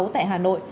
tại hà nội